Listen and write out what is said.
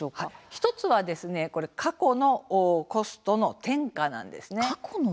１つは過去のコストの転嫁なんです。